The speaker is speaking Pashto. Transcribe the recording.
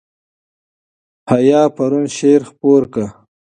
حیا پرون شعر خپور کړ.